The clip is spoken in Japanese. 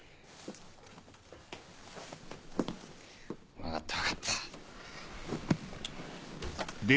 分かった分かった。